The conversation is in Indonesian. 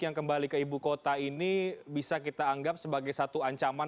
yang kembali ke ibu kota ini bisa kita anggap sebagai satu ancaman